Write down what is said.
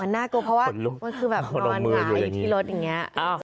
น่ากลัวเพราะว่ามันคือแบบนอนหงายอยู่ที่รถอย่างนี้